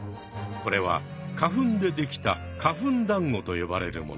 これは花粉でできた花粉だんごと呼ばれるもの。